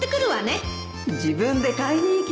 自分で買いに行きますよ